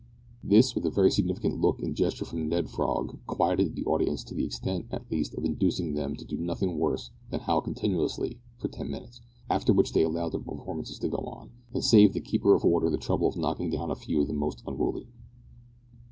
This, with a very significant look and gesture from Ned Frog, quieted the audience to the extent at least of inducing them to do nothing worse than howl continuously for ten minutes, after which they allowed the performances to go on, and saved the keeper of order the trouble of knocking down a few of the most unruly.